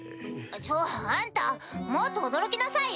ちょあんたもっと驚きなさいよ！